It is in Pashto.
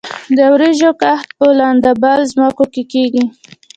د وریجو کښت په لندبل ځمکو کې کیږي.